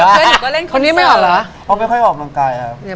เพื่อนหนูเป็นคนไม่อ่อน